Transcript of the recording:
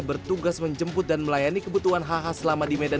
bertugas menjemput dan melayani kebutuhan hh selama di medan